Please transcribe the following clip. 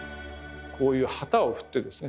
こういう旗を振ってですね